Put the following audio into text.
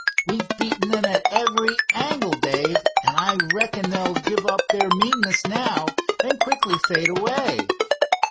We've beaten them at every angle, Dave, and I reckon they'll give up their meanness now, and quickly fade away."